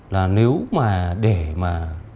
là nếu mà để mà